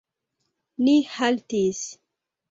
Ni haltis.